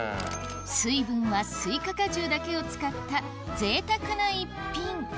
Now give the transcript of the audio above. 水分はスイカ果汁だけを使ったぜいたくな逸品